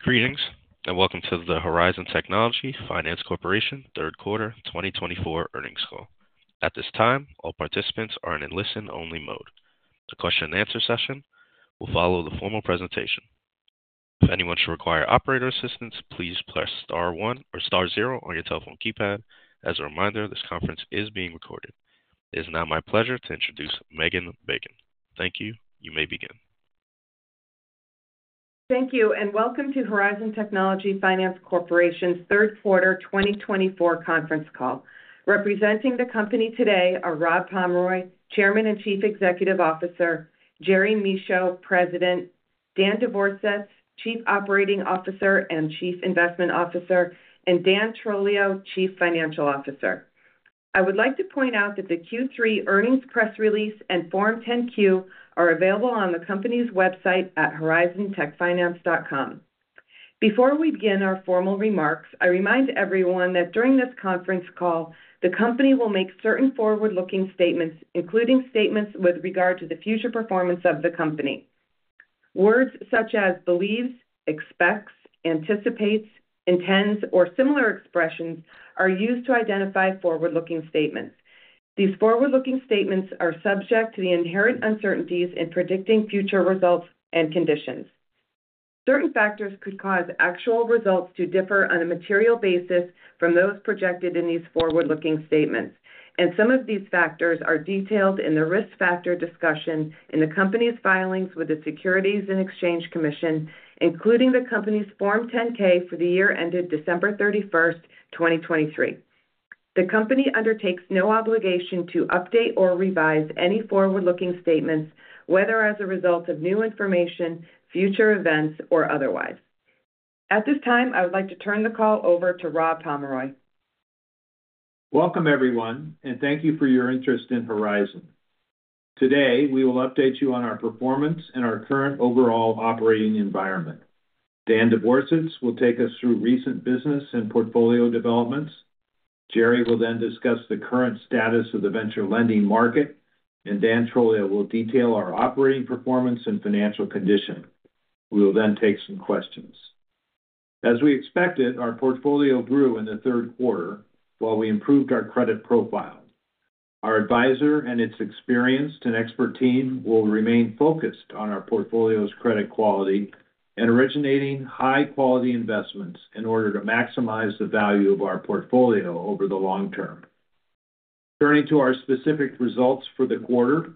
Greetings and welcome to the Horizon Technology Finance Corporation Third Quarter 2024 Earnings Call. At this time, all participants are in listen-only mode. The question-and-answer session will follow the formal presentation. If anyone should require operator assistance, please press star one or star zero on your telephone keypad. As a reminder, this conference is being recorded. It is now my pleasure to introduce Megan Bacon. Thank you. You may begin. Thank you, and welcome to Horizon Technology Finance Corporation's Third Quarter 2024 Conference Call. Representing the company today are Rob Pomeroy, Chairman and Chief Executive Officer, Jerry Michaud, President, Dan Devorsetz, Chief Operating Officer and Chief Investment Officer, and Dan Trolio, Chief Financial Officer. I would like to point out that the Q3 earnings press release and Form 10-Q are available on the company's website at horizontechfinance.com. Before we begin our formal remarks, I remind everyone that during this conference call, the company will make certain forward-looking statements, including statements with regard to the future performance of the company. Words such as believes, expects, anticipates, intends, or similar expressions are used to identify forward-looking statements. These forward-looking statements are subject to the inherent uncertainties in predicting future results and conditions. Certain factors could cause actual results to differ on a material basis from those projected in these forward-looking statements, and some of these factors are detailed in the risk factor discussion in the company's filings with the Securities and Exchange Commission, including the company's Form 10-K for the year ended December 31st, 2023. The company undertakes no obligation to update or revise any forward-looking statements, whether as a result of new information, future events, or otherwise. At this time, I would like to turn the call over to Rob Pomeroy. Welcome, everyone, and thank you for your interest in Horizon. Today, we will update you on our performance and our current overall operating environment. Dan Devorsetz will take us through recent business and portfolio developments. Jerry will then discuss the current status of the venture lending market, and Dan Trolio will detail our operating performance and financial condition. We will then take some questions. As we expected, our portfolio grew in the third quarter while we improved our credit profile. Our advisor and its experienced and expert team will remain focused on our portfolio's credit quality and originating high-quality investments in order to maximize the value of our portfolio over the long term. Turning to our specific results for the quarter,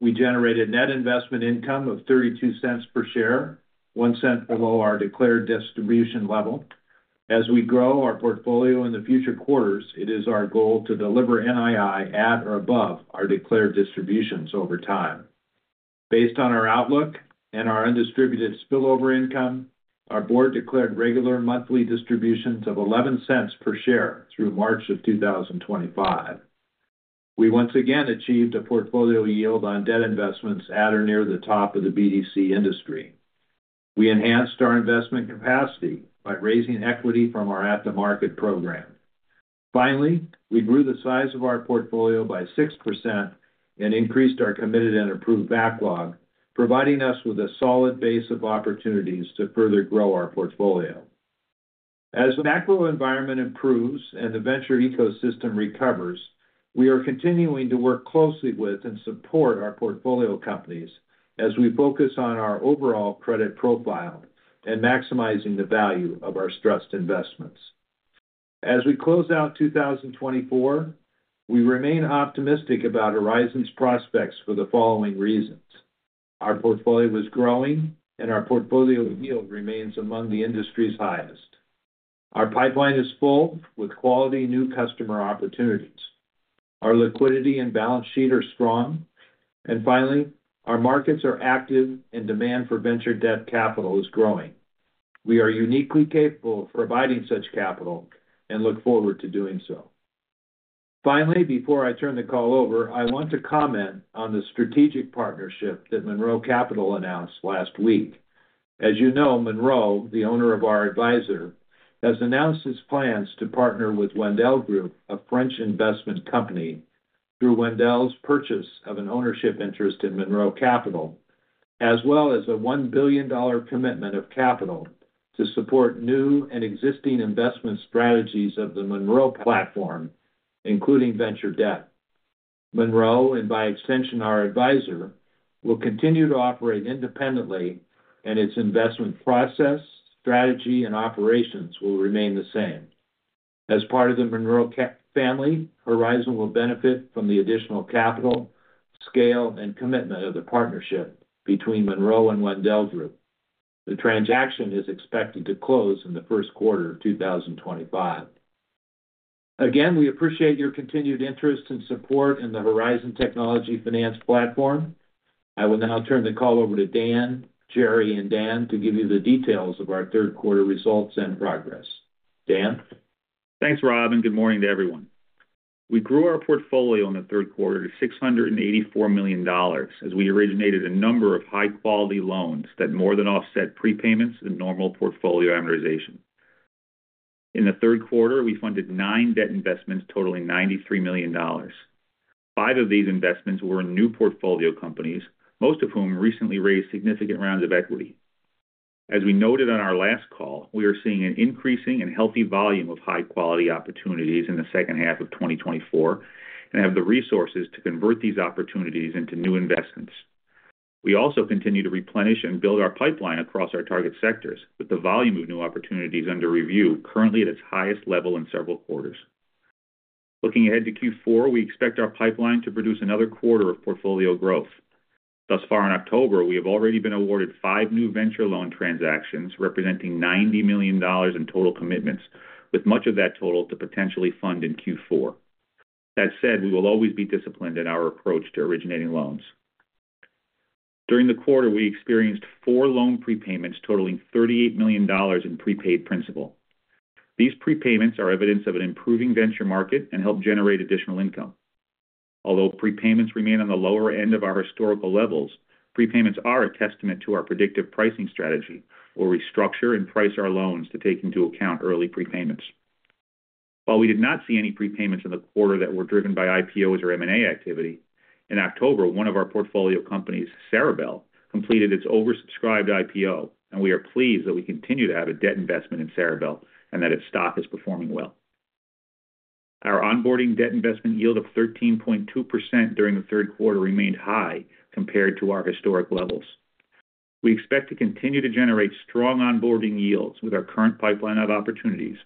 we generated net investment income of $0.32 per share, one cent below our declared distribution level. As we grow our portfolio in the future quarters, it is our goal to deliver NII at or above our declared distributions over time. Based on our outlook and our undistributed spillover income, our board declared regular monthly distributions of $0.11 per share through March of 2025. We once again achieved a portfolio yield on debt investments at or near the top of the BDC industry. We enhanced our investment capacity by raising equity from our at-the-market program. Finally, we grew the size of our portfolio by 6% and increased our committed and approved backlog, providing us with a solid base of opportunities to further grow our portfolio. As the macro environment improves and the venture ecosystem recovers, we are continuing to work closely with and support our portfolio companies as we focus on our overall credit profile and maximizing the value of our stressed investments. As we close out 2024, we remain optimistic about Horizon's prospects for the following reasons: our portfolio is growing, and our portfolio yield remains among the industry's highest. Our pipeline is full, with quality new customer opportunities. Our liquidity and balance sheet are strong. And finally, our markets are active, and demand for venture debt capital is growing. We are uniquely capable of providing such capital and look forward to doing so. Finally, before I turn the call over, I want to comment on the strategic partnership that Monroe Capital announced last week. As you know, Monroe, the owner of our advisor, has announced its plans to partner with Wendel Group, a French investment company, through Wendel's purchase of an ownership interest in Monroe Capital, as well as a $1 billion commitment of capital to support new and existing investment strategies of the Monroe platform, including venture debt. Monroe, and by extension our advisor, will continue to operate independently, and its investment process, strategy, and operations will remain the same. As part of the Monroe family, Horizon will benefit from the additional capital, scale, and commitment of the partnership between Monroe and Wendel Group. The transaction is expected to close in the first quarter of 2025. Again, we appreciate your continued interest and support in the Horizon Technology Finance platform. I will now turn the call over to Dan, Jerry, and Dan to give you the details of our third quarter results and progress. Dan? Thanks, Rob, and good morning to everyone. We grew our portfolio in the third quarter to $684 million as we originated a number of high-quality loans that more than offset prepayments and normal portfolio amortization. In the third quarter, we funded nine debt investments totaling $93 million. Five of these investments were in new portfolio companies, most of whom recently raised significant rounds of equity. As we noted on our last call, we are seeing an increasing and healthy volume of high-quality opportunities in the second half of 2024 and have the resources to convert these opportunities into new investments. We also continue to replenish and build our pipeline across our target sectors, with the volume of new opportunities under review currently at its highest level in several quarters. Looking ahead to Q4, we expect our pipeline to produce another quarter of portfolio growth. Thus far in October, we have already been awarded five new venture loan transactions representing $90 million in total commitments, with much of that total to potentially fund in Q4. That said, we will always be disciplined in our approach to originating loans. During the quarter, we experienced four loan prepayments totaling $38 million in prepaid principal. These prepayments are evidence of an improving venture market and help generate additional income. Although prepayments remain on the lower end of our historical levels, prepayments are a testament to our predictive pricing strategy where we structure and price our loans to take into account early prepayments. While we did not see any prepayments in the quarter that were driven by IPOs or M&A activity, in October, one of our portfolio companies, Ceribell, completed its oversubscribed IPO, and we are pleased that we continue to have a debt investment in Ceribell and that its stock is performing well. Our onboarding debt investment yield of 13.2% during the third quarter remained high compared to our historic levels. We expect to continue to generate strong onboarding yields with our current pipeline of opportunities,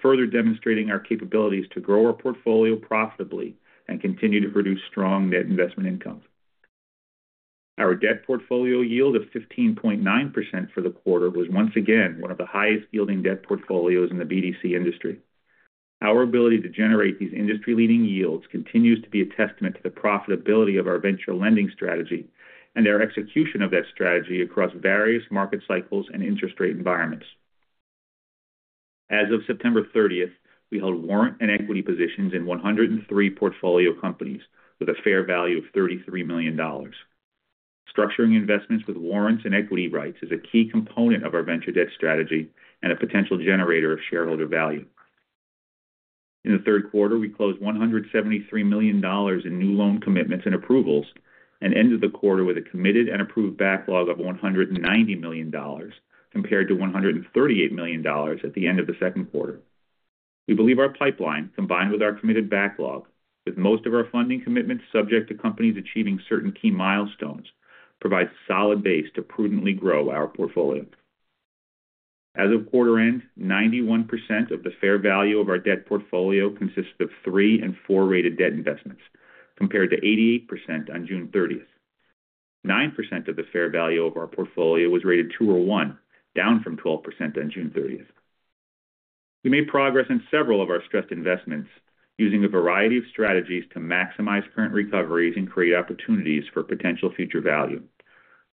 further demonstrating our capabilities to grow our portfolio profitably and continue to produce strong net investment income. Our debt portfolio yield of 15.9% for the quarter was once again one of the highest-yielding debt portfolios in the BDC industry. Our ability to generate these industry-leading yields continues to be a testament to the profitability of our venture lending strategy and our execution of that strategy across various market cycles and interest rate environments. As of September 30th, we held warrant and equity positions in 103 portfolio companies with a fair value of $33 million. Structuring investments with warrants and equity rights is a key component of our venture debt strategy and a potential generator of shareholder value. In the third quarter, we closed $173 million in new loan commitments and approvals and ended the quarter with a committed and approved backlog of $190 million compared to $138 million at the end of the second quarter. We believe our pipeline, combined with our committed backlog, with most of our funding commitments subject to companies achieving certain key milestones, provides a solid base to prudently grow our portfolio. As of quarter end, 91% of the fair value of our debt portfolio consisted of three and four-rated debt investments, compared to 88% on June 30th. 9% of the fair value of our portfolio was rated two or one, down from 12% on June 30th. We made progress in several of our stressed investments using a variety of strategies to maximize current recoveries and create opportunities for potential future value.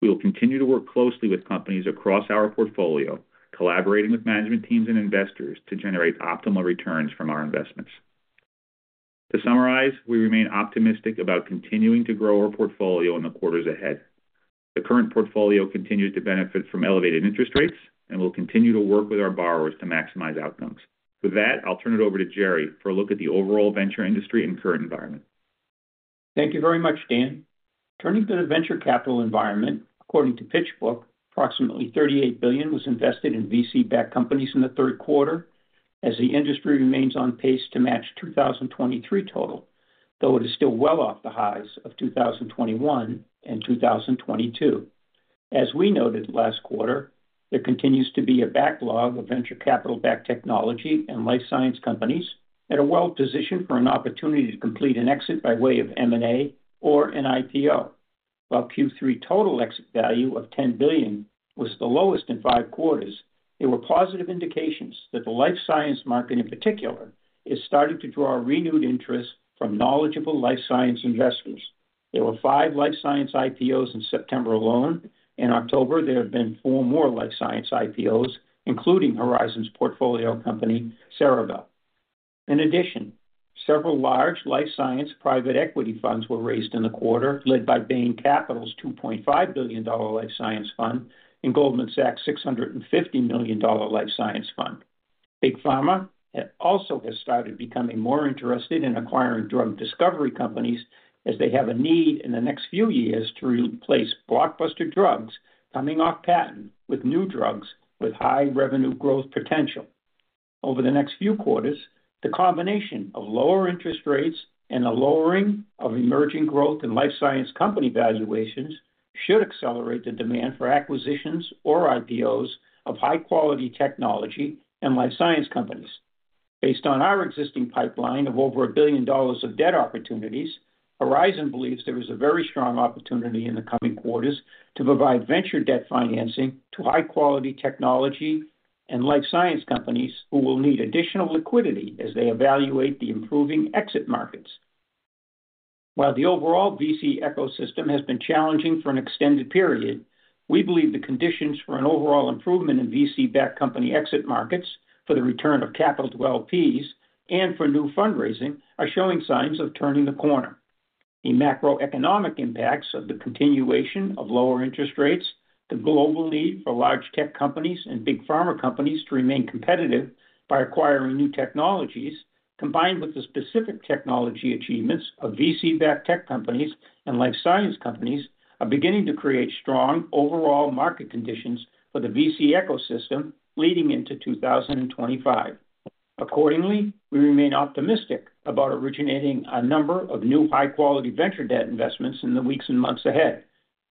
We will continue to work closely with companies across our portfolio, collaborating with management teams and investors to generate optimal returns from our investments. To summarize, we remain optimistic about continuing to grow our portfolio in the quarters ahead. The current portfolio continues to benefit from elevated interest rates and will continue to work with our borrowers to maximize outcomes. With that, I'll turn it over to Jerry for a look at the overall venture industry and current environment. Thank you very much, Dan. Turning to the venture capital environment, according to PitchBook, approximately $38 billion was invested in VC-backed companies in the third quarter as the industry remains on pace to match 2023 total, though it is still well off the highs of 2021 and 2022. As we noted last quarter, there continues to be a backlog of venture capital-backed technology and life science companies that are well positioned for an opportunity to complete an exit by way of M&A or an IPO. While Q3 total exit value of $10 billion was the lowest in five quarters, there were positive indications that the life science market in particular is starting to draw renewed interest from knowledgeable life science investors. There were five life science IPOs in September alone. In October, there have been four more life science IPOs, including Horizon's portfolio company, Ceribell. In addition, several large life science private equity funds were raised in the quarter, led by Bain Capital's $2.5 billion life science fund and Goldman Sachs' $650 million life science fund. Big Pharma also has started becoming more interested in acquiring drug discovery companies as they have a need in the next few years to replace blockbuster drugs coming off patent with new drugs with high revenue growth potential. Over the next few quarters, the combination of lower interest rates and the lowering of emerging growth in life science company valuations should accelerate the demand for acquisitions or IPOs of high-quality technology and life science companies. Based on our existing pipeline of over $1 billion of debt opportunities, Horizon believes there is a very strong opportunity in the coming quarters to provide venture debt financing to high-quality technology and life science companies who will need additional liquidity as they evaluate the improving exit markets. While the overall VC ecosystem has been challenging for an extended period, we believe the conditions for an overall improvement in VC-backed company exit markets for the return of capital to LPs and for new fundraising are showing signs of turning the corner. The macroeconomic impacts of the continuation of lower interest rates, the global need for large tech companies and Big Pharma companies to remain competitive by acquiring new technologies, combined with the specific technology achievements of VC-backed tech companies and life science companies, are beginning to create strong overall market conditions for the VC ecosystem leading into 2025. Accordingly, we remain optimistic about originating a number of new high-quality venture debt investments in the weeks and months ahead.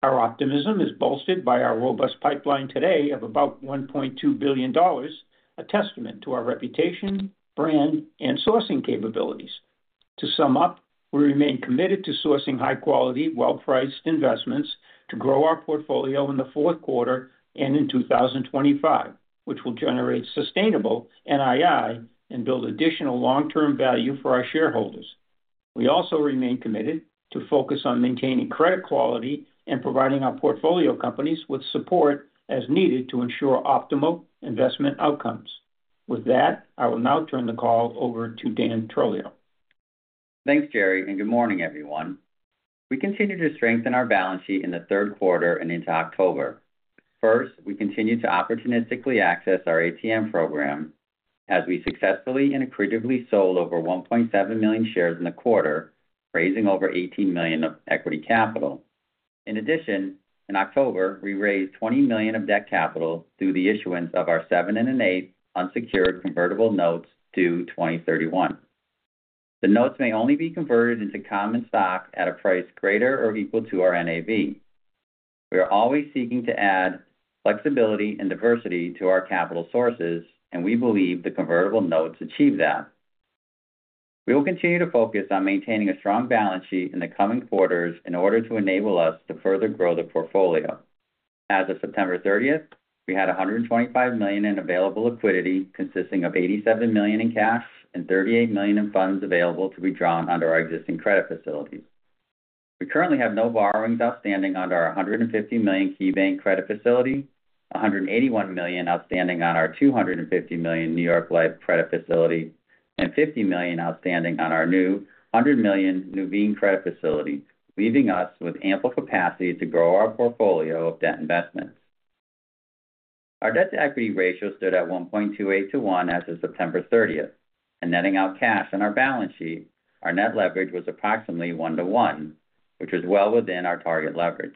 Our optimism is bolstered by our robust pipeline today of about $1.2 billion, a testament to our reputation, brand, and sourcing capabilities. To sum up, we remain committed to sourcing high-quality, well-priced investments to grow our portfolio in the fourth quarter and in 2025, which will generate sustainable NII and build additional long-term value for our shareholders. We also remain committed to focus on maintaining credit quality and providing our portfolio companies with support as needed to ensure optimal investment outcomes. With that, I will now turn the call over to Dan Trolio. Thanks, Jerry, and good morning, everyone. We continue to strengthen our balance sheet in the third quarter and into October. First, we continue to opportunistically access our ATM program as we successfully and accretively sold over 1.7 million shares in the quarter, raising over $18 million of equity capital. In addition, in October, we raised $20 million of debt capital through the issuance of our 7 1/8 unsecured convertible notes due 2031. The notes may only be converted into common stock at a price greater or equal to our NAV. We are always seeking to add flexibility and diversity to our capital sources, and we believe the convertible notes achieve that. We will continue to focus on maintaining a strong balance sheet in the coming quarters in order to enable us to further grow the portfolio. As of September 30th, we had $125 million in available liquidity, consisting of $87 million in cash and $38 million in funds available to be drawn under our existing credit facilities. We currently have no borrowings outstanding under our $150 million KeyBank credit facility, $181 million outstanding under our $250 million New York Life credit facility, and $50 million outstanding under our new $100 million Nuveen credit facility, leaving us with ample capacity to grow our portfolio of debt investments. Our debt-to-equity ratio stood at 1.28-1 as of September 30th, and netting out cash on our balance sheet, our net leverage was approximately 1:1, which was well within our target leverage.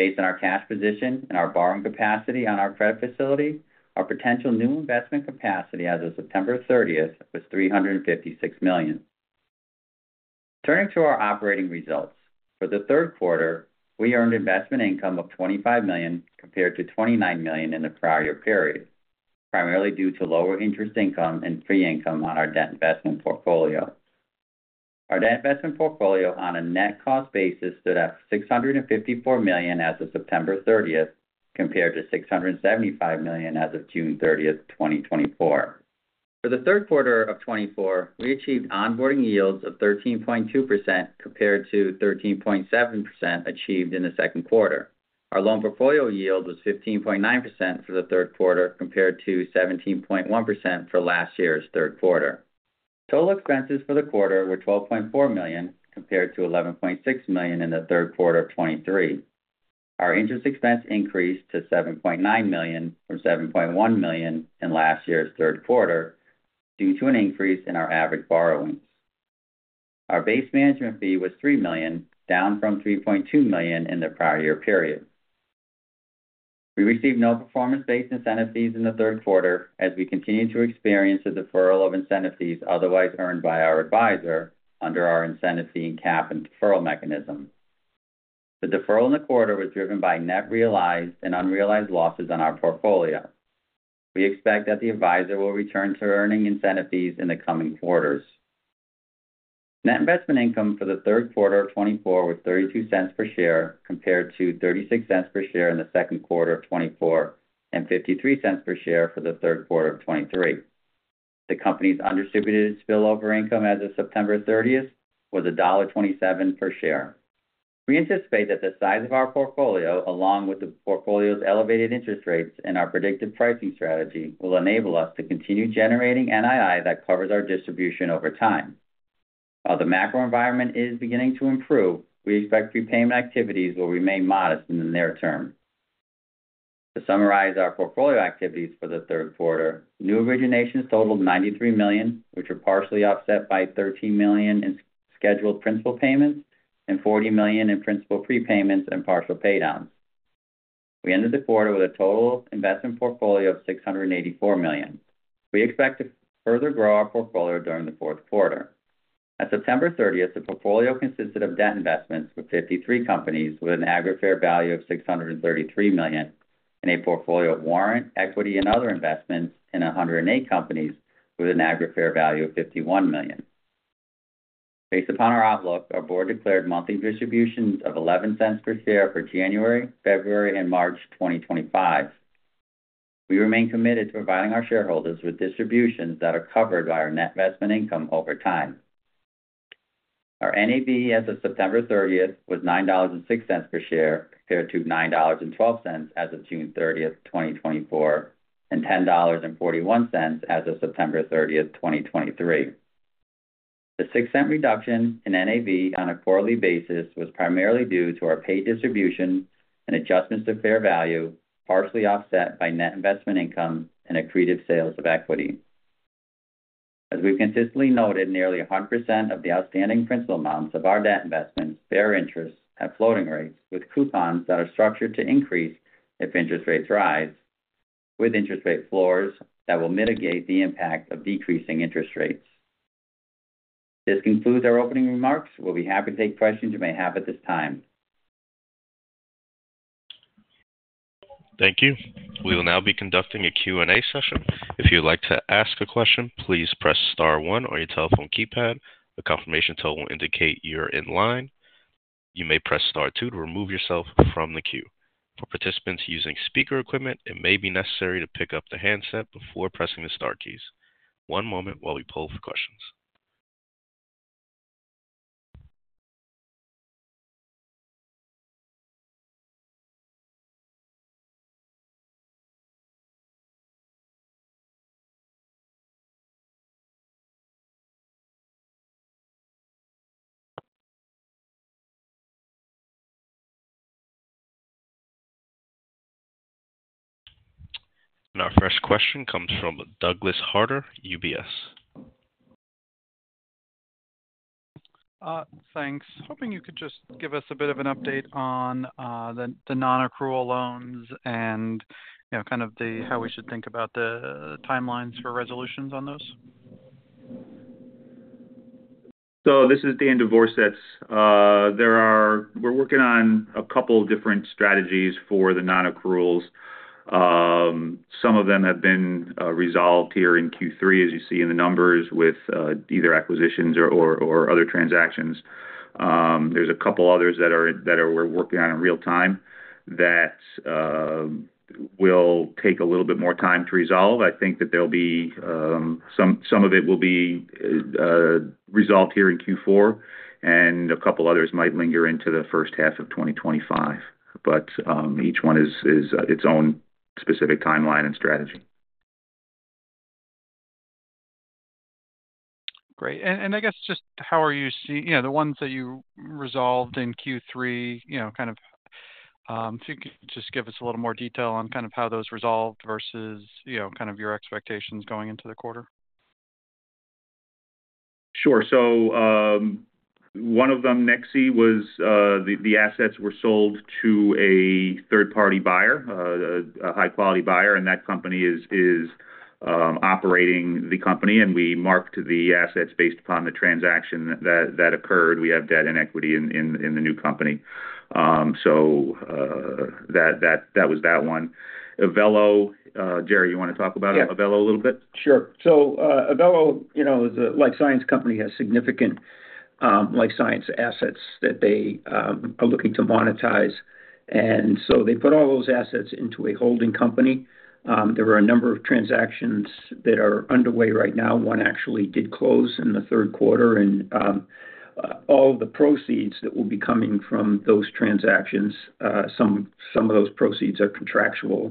Based on our cash position and our borrowing capacity on our credit facility, our potential new investment capacity as of September 30th was $356 million. Turning to our operating results, for the third quarter, we earned investment income of $25 million compared to $29 million in the prior year period, primarily due to lower interest income and fee income on our debt investment portfolio. Our debt investment portfolio on a net cost basis stood at $654 million as of September 30th compared to $675 million as of June 30th, 2024. For the third quarter of 2024, we achieved onboarding yields of 13.2% compared to 13.7% achieved in the second quarter. Our loan portfolio yield was 15.9% for the third quarter compared to 17.1% for last year's third quarter. Total expenses for the quarter were $12.4 million compared to $11.6 million in the third quarter of 2023. Our interest expense increased to $7.9 million from $7.1 million in last year's third quarter due to an increase in our average borrowings. Our base management fee was $3 million, down from $3.2 million in the prior year period. We received no performance-based incentive fees in the third quarter as we continued to experience a deferral of incentive fees otherwise earned by our advisor under our incentive fee and cap and deferral mechanism. The deferral in the quarter was driven by net realized and unrealized losses on our portfolio. We expect that the advisor will return to earning incentive fees in the coming quarters. Net investment income for the third quarter of 2024 was $0.32 per share compared to $0.36 per share in the second quarter of 2024 and $0.53 per share for the third quarter of 2023. The company's undistributed spillover income as of September 30th was $1.27 per share. We anticipate that the size of our portfolio, along with the portfolio's elevated interest rates and our predictive pricing strategy, will enable us to continue generating NII that covers our distribution over time. While the macro environment is beginning to improve, we expect prepayment activities will remain modest in the near term. To summarize our portfolio activities for the third quarter, new originations totaled $93 million, which were partially offset by $13 million in scheduled principal payments and $40 million in principal prepayments and partial paydowns. We ended the quarter with a total investment portfolio of $684 million. We expect to further grow our portfolio during the fourth quarter. At September 30th, the portfolio consisted of debt investments with 53 companies with an aggregate fair value of $633 million and a portfolio of warrant, equity, and other investments in 108 companies with an aggregate fair value of $51 million. Based upon our outlook, our board declared monthly distributions of $0.11 per share for January, February, and March 2025. We remain committed to providing our shareholders with distributions that are covered by our net investment income over time. Our NAV as of September 30th was $9.06 per share compared to $9.12 as of June 30th, 2024, and $10.41 as of September 30th, 2023. The $0.06 reduction in NAV on a quarterly basis was primarily due to our paid distributions and adjustments to fair value, partially offset by net investment income and accretive sales of equity. As we've consistently noted, nearly 100% of the outstanding principal amounts of our debt investments bear interest at floating rates with coupons that are structured to increase if interest rates rise, with interest rate floors that will mitigate the impact of decreasing interest rates. This concludes our opening remarks. We'll be happy to take questions you may have at this time. Thank you. We will now be conducting a Q&A session. If you'd like to ask a question, please press star one on your telephone keypad. A confirmation tone will indicate you're in line. You may press star two to remove yourself from the queue. For participants using speaker equipment, it may be necessary to pick up the handset before pressing the star keys. One moment while we poll for questions. And our first question comes from Douglas Harter, UBS. Thanks. Hoping you could just give us a bit of an update on the non-accrual loans and kind of how we should think about the timelines for resolutions on those. So this is Dan Devorsetz. We're working on a couple of different strategies for the non-accruals. Some of them have been resolved here in Q3, as you see in the numbers with either acquisitions or other transactions. There's a couple others that we're working on in real time that will take a little bit more time to resolve. I think that there'll be some of it will be resolved here in Q4, and a couple others might linger into the first half of 2025. But each one is its own specific timeline and strategy. Great, and I guess just how are you seeing the ones that you resolved in Q3? Kind of, if you could just give us a little more detail on kind of how those resolved versus kind of your expectations going into the quarter. Sure. So one of them, Nexii, was the assets were sold to a third-party buyer, a high-quality buyer, and that company is operating the company. And we marked the assets based upon the transaction that occurred. We have debt and equity in the new company. So that was that one. Evelo, Jerry, you want to talk about Evelo a little bit? Sure. So Evelo, as a life science company, has significant life science assets that they are looking to monetize. And so they put all those assets into a holding company. There are a number of transactions that are underway right now. One actually did close in the third quarter. And all of the proceeds that will be coming from those transactions, some of those proceeds are contractual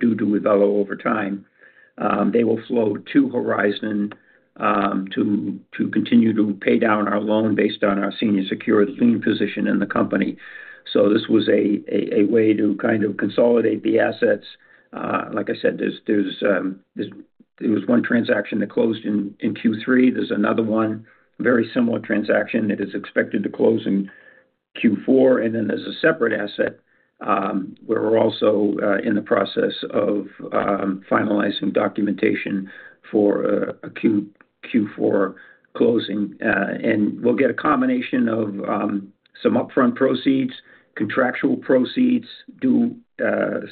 due to Evelo over time. They will flow to Horizon to continue to pay down our loan based on our senior secured lien position in the company. So this was a way to kind of consolidate the assets. Like I said, there was one transaction that closed in Q3. There's another one, a very similar transaction that is expected to close in Q4. And then there's a separate asset where we're also in the process of finalizing documentation for a Q4 closing. And we'll get a combination of some upfront proceeds, contractual proceeds due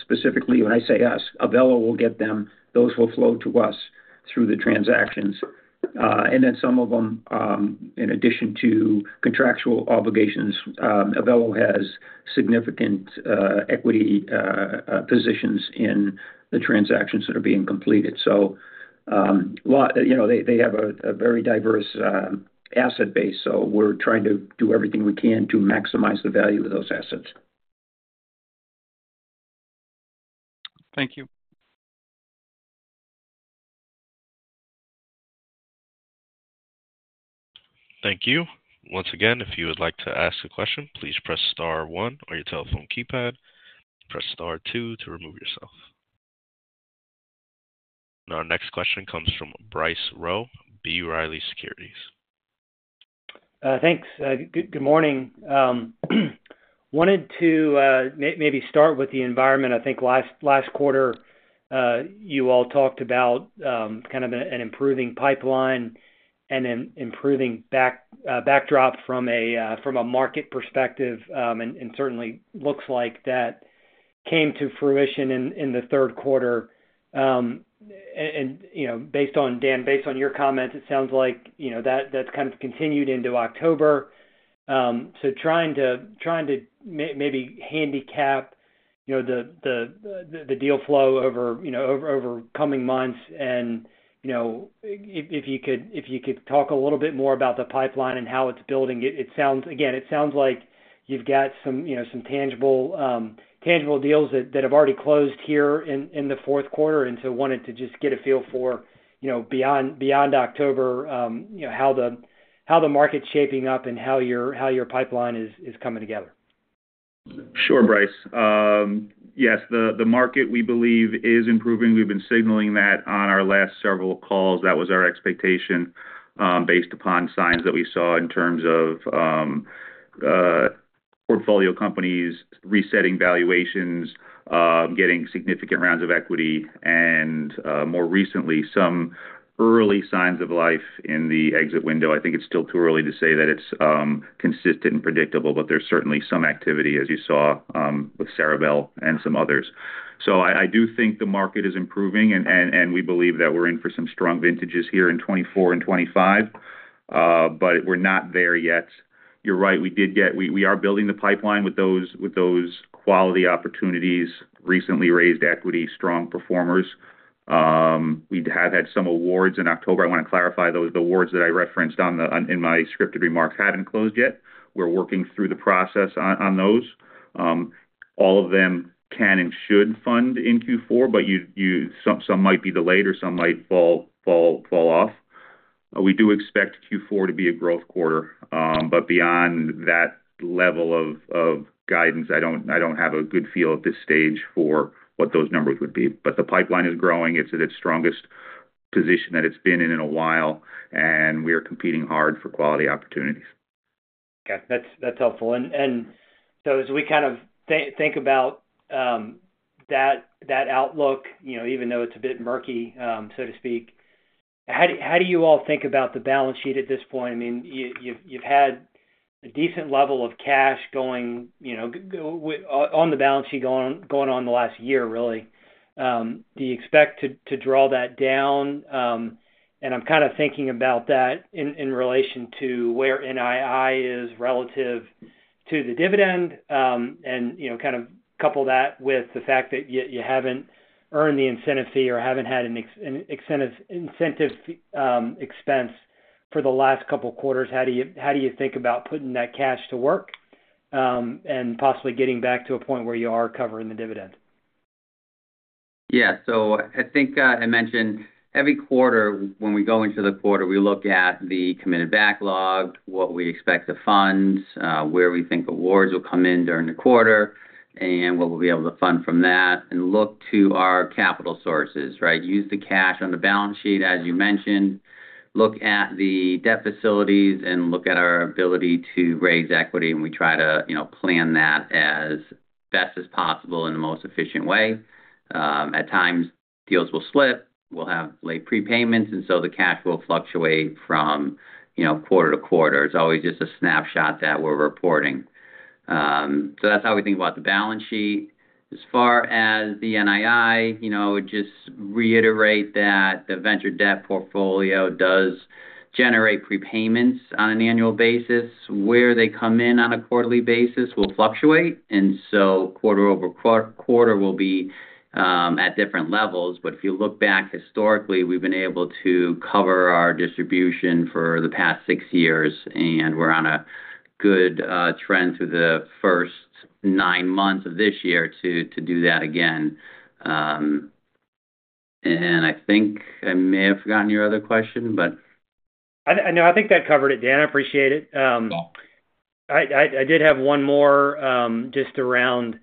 specifically. When I say us, Evelo will get them. Those will flow to us through the transactions. And then some of them, in addition to contractual obligations, Evelo has significant equity positions in the transactions that are being completed. So they have a very diverse asset base. So we're trying to do everything we can to maximize the value of those assets. Thank you. Thank you. Once again, if you would like to ask a question, please press star one on your telephone keypad. Press star two to remove yourself. And our next question comes from Bryce Rowe, B. Riley Securities. Thanks. Good morning. Wanted to maybe start with the environment. I think last quarter, you all talked about kind of an improving pipeline and an improving backdrop from a market perspective, and certainly looks like that came to fruition in the third quarter, and Dan, based on your comments, it sounds like that's kind of continued into October, so trying to maybe handicap the deal flow over coming months, and if you could talk a little bit more about the pipeline and how it's building, again, it sounds like you've got some tangible deals that have already closed here in the fourth quarter, and so wanted to just get a feel for beyond October, how the market's shaping up and how your pipeline is coming together. Sure, Bryce. Yes, the market, we believe, is improving. We've been signaling that on our last several calls. That was our expectation based upon signs that we saw in terms of portfolio companies resetting valuations, getting significant rounds of equity, and more recently, some early signs of life in the exit window. I think it's still too early to say that it's consistent and predictable, but there's certainly some activity, as you saw with Ceribell and some others. So I do think the market is improving, and we believe that we're in for some strong vintages here in 2024 and 2025, but we're not there yet. You're right. We are building the pipeline with those quality opportunities, recently raised equity, strong performers. We have had some draws in October. I want to clarify those. The draws that I referenced in my scripted remarks hadn't closed yet. We're working through the process on those. All of them can and should fund in Q4, but some might be delayed or some might fall off. We do expect Q4 to be a growth quarter. But beyond that level of guidance, I don't have a good feel at this stage for what those numbers would be. But the pipeline is growing. It's at its strongest position that it's been in a while, and we are competing hard for quality opportunities. Okay. That's helpful. And so as we kind of think about that outlook, even though it's a bit murky, so to speak, how do you all think about the balance sheet at this point? I mean, you've had a decent level of cash going on the balance sheet going on the last year, really. Do you expect to draw that down? And I'm kind of thinking about that in relation to where NII is relative to the dividend and kind of couple that with the fact that you haven't earned the incentive fee or haven't had an incentive expense for the last couple of quarters. How do you think about putting that cash to work and possibly getting back to a point where you are covering the dividend? Yeah. So I think I mentioned every quarter, when we go into the quarter, we look at the committed backlog, what we expect to fund, where we think awards will come in during the quarter, and what we'll be able to fund from that, and look to our capital sources, right? Use the cash on the balance sheet, as you mentioned. Look at the debt facilities and look at our ability to raise equity, and we try to plan that as best as possible in the most efficient way. At times, deals will slip. We'll have late prepayments, and so the cash will fluctuate from quarter to quarter. It's always just a snapshot that we're reporting, so that's how we think about the balance sheet. As far as the NII, I would just reiterate that the venture debt portfolio does generate prepayments on an annual basis. Where they come in on a quarterly basis will fluctuate. And so quarter over quarter will be at different levels. But if you look back historically, we've been able to cover our distribution for the past six years, and we're on a good trend through the first nine months of this year to do that again. And I think I may have forgotten your other question, but. I think that covered it, Dan. I appreciate it. I did have one more just around,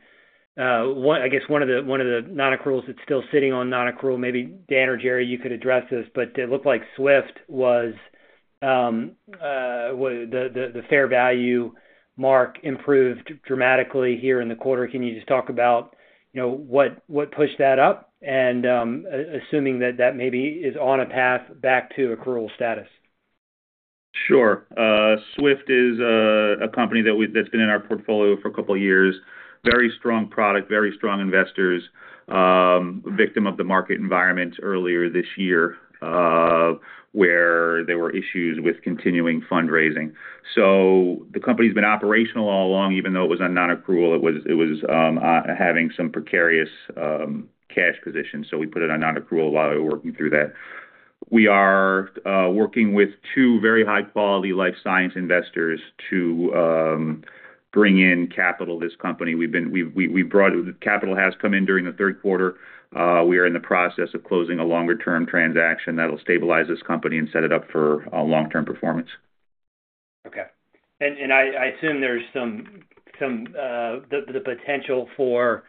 I guess, one of the non-accruals that's still sitting on non-accrual. Maybe Dan or Jerry, you could address this. But it looked like Swift was the fair value mark improved dramatically here in the quarter. Can you just talk about what pushed that up? And assuming that that maybe is on a path back to accrual status. Sure. Swift is a company that's been in our portfolio for a couple of years. Very strong product, very strong investors, victim of the market environment earlier this year where there were issues with continuing fundraising, so the company's been operational all along. Even though it was a non-accrual, it was having some precarious cash position, so we put it on non-accrual while we were working through that. We are working with two very high-quality life science investors to bring in capital to this company. Capital has come in during the third quarter. We are in the process of closing a longer-term transaction that'll stabilize this company and set it up for long-term performance. Okay, and I assume there's some potential for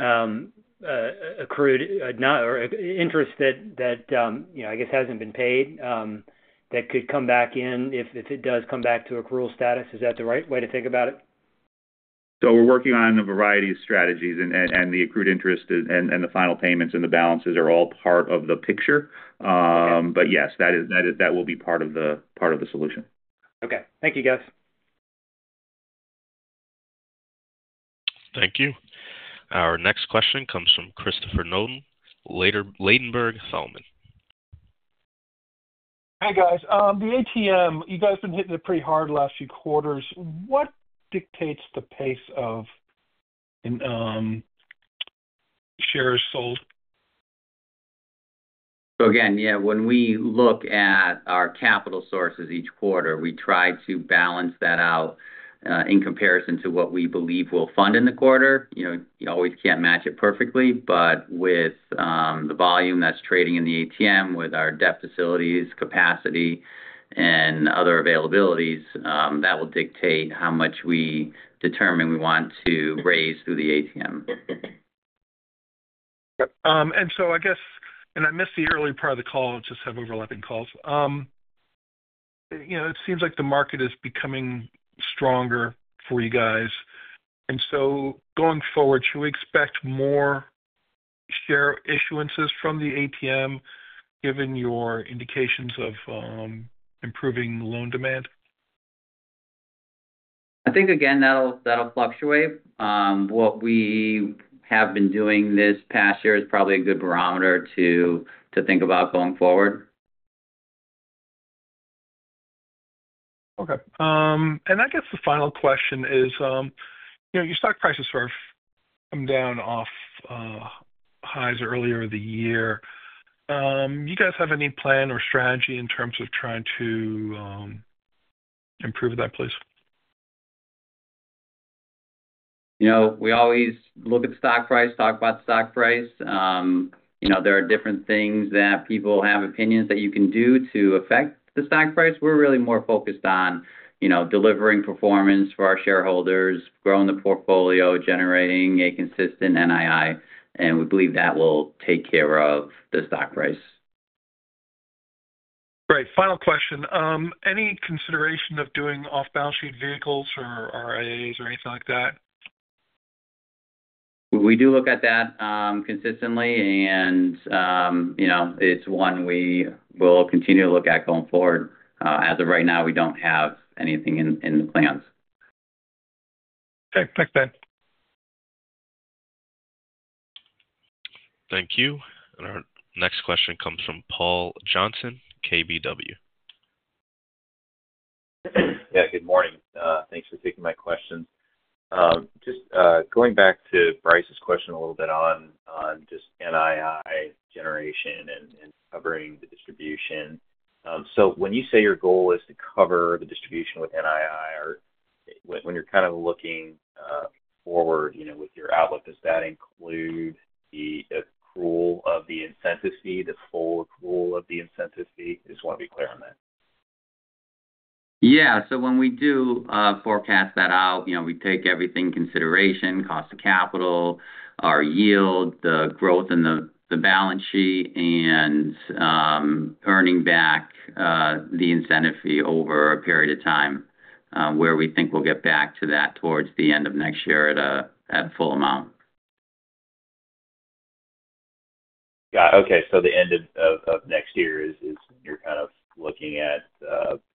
accrued interest that, I guess, hasn't been paid that could come back in if it does come back to accrual status. Is that the right way to think about it? We're working on a variety of strategies. The accrued interest and the final payments and the balances are all part of the picture. Yes, that will be part of the solution. Okay. Thank you, guys. Thank you. Our next question comes from Christopher Nolan, Ladenburg Thalmann. Hi guys. The ATM, you guys have been hitting it pretty hard the last few quarters. What dictates the pace of shares sold? So again, yeah, when we look at our capital sources each quarter, we try to balance that out in comparison to what we believe we'll fund in the quarter. You always can't match it perfectly. But with the volume that's trading in the ATM, with our debt facilities, capacity, and other availabilities, that will dictate how much we determine we want to raise through the ATM. And so, I guess, and I missed the earlier part of the call. I just have overlapping calls. It seems like the market is becoming stronger for you guys. And so, going forward, should we expect more share issuances from the ATM given your indications of improving loan demand? I think, again, that'll fluctuate. What we have been doing this past year is probably a good barometer to think about going forward. Okay. And I guess the final question is, your stock prices have come down off highs earlier in the year. You guys have any plan or strategy in terms of trying to improve that price? We always look at the stock price, talk about the stock price. There are different things that people have opinions that you can do to affect the stock price. We're really more focused on delivering performance for our shareholders, growing the portfolio, generating a consistent NII, and we believe that will take care of the stock price. Great. Final question. Any consideration of doing off-balance sheet vehicles or IAs or anything like that? We do look at that consistently. And it's one we will continue to look at going forward. As of right now, we don't have anything in the plans. Okay. Thanks, Dan. Thank you. And our next question comes from Paul Johnson, KBW. Yeah. Good morning. Thanks for taking my questions. Just going back to Bryce's question a little bit on just NII generation and covering the distribution. So when you say your goal is to cover the distribution with NII, when you're kind of looking forward with your outlook, does that include the accrual of the incentive fee, the full accrual of the incentive fee? Just want to be clear on that. Yeah. So when we do forecast that out, we take everything into consideration: cost of capital, our yield, the growth in the balance sheet, and earning back the incentive fee over a period of time where we think we'll get back to that towards the end of next year at full amount. Yeah. Okay. So the end of next year is. You're kind of looking at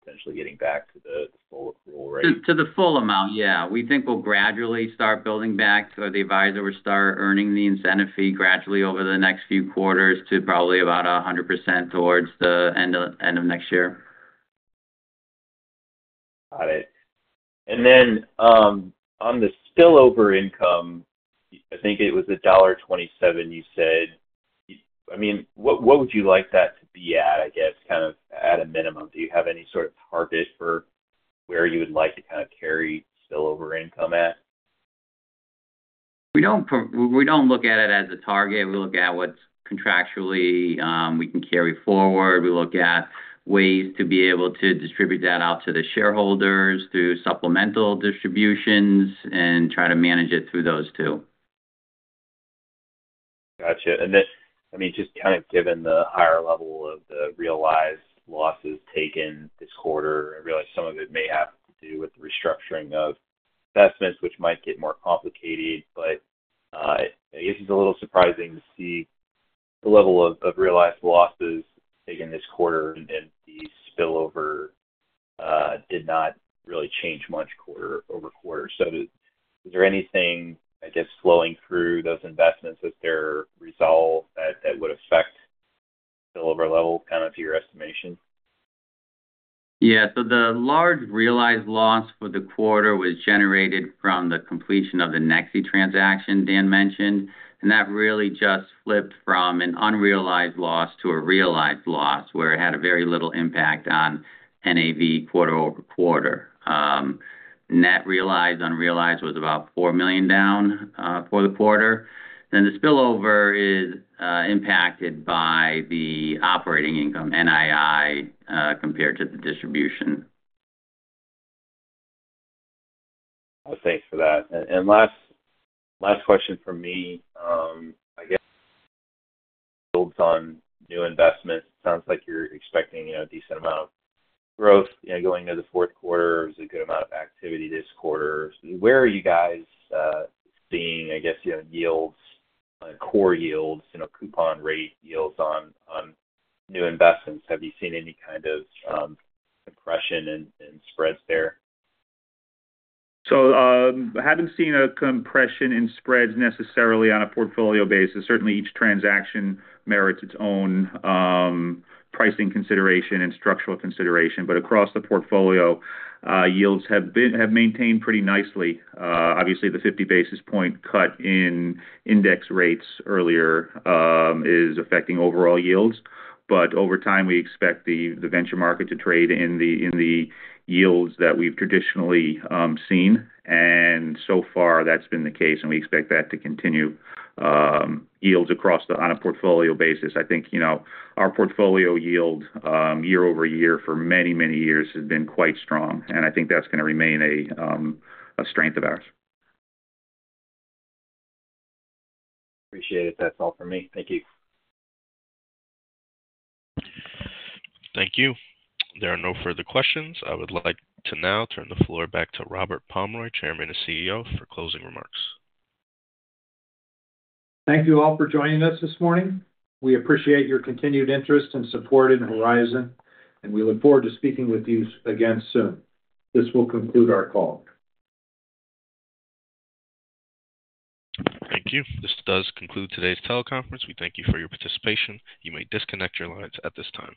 potentially getting back to the full accrual, right? To the full amount, yeah. We think we'll gradually start building back. So the advisor will start earning the incentive fee gradually over the next few quarters to probably about 100% towards the end of next year. Got it. And then on the spillover income, I think it was $1.27 you said. I mean, what would you like that to be at, I guess, kind of at a minimum? Do you have any sort of target for where you would like to kind of carry spillover income at? We don't look at it as a target. We look at what contractually we can carry forward. We look at ways to be able to distribute that out to the shareholders through supplemental distributions and try to manage it through those too. Gotcha. And I mean, just kind of given the higher level of the realized losses taken this quarter, I realize some of it may have to do with the restructuring of investments, which might get more complicated. But I guess it's a little surprising to see the level of realized losses taken this quarter and the spillover did not really change much quarter over quarter. So is there anything, I guess, flowing through those investments as they're resolved that would affect spillover level kind of to your estimation? Yeah. So the large realized loss for the quarter was generated from the completion of the Nexii transaction Dan mentioned. And that really just flipped from an unrealized loss to a realized loss where it had a very little impact on NAV quarter over quarter. Net realized unrealized was about $4 million down for the quarter. Then the spillover is impacted by the operating income, NII, compared to the distribution. Thanks for that. And last question for me, I guess, builds on new investments. It sounds like you're expecting a decent amount of growth going into the fourth quarter. There's a good amount of activity this quarter. Where are you guys seeing, I guess, yields, core yields, coupon rate yields on new investments? Have you seen any kind of compression in spreads there? So I haven't seen a compression in spreads necessarily on a portfolio basis. Certainly, each transaction merits its own pricing consideration and structural consideration. But across the portfolio, yields have maintained pretty nicely. Obviously, the 50 basis points cut in index rates earlier is affecting overall yields. But over time, we expect the venture market to trade in the yields that we've traditionally seen. And so far, that's been the case. And we expect that to continue, yields across the on a portfolio basis. I think our portfolio yield year over year for many, many years has been quite strong. And I think that's going to remain a strength of ours. Appreciate it. That's all for me. Thank you. Thank you. There are no further questions. I would like to now turn the floor back to Robert Pomeroy, Chairman and CEO, for closing remarks. Thank you all for joining us this morning. We appreciate your continued interest and support in Horizon. And we look forward to speaking with you again soon. This will conclude our call. Thank you. This does conclude today's teleconference. We thank you for your participation. You may disconnect your lines at this time.